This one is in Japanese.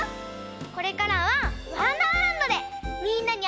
これからは「わんだーらんど」でみんなにあいにいくからね！